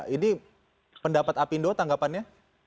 ini pendapat apindo tanggapannya